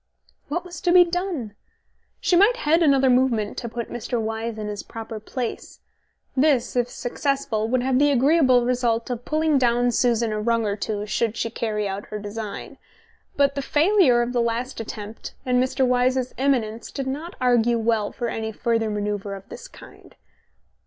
... What was to be done? She might head another movement to put Mr. Wyse in his proper place; this, if successful, would have the agreeable result of pulling down Susan a rung or two should she carry out her design. But the failure of the last attempt and Mr. Wyse's eminence did not argue well for any further manoeuvre of the kind.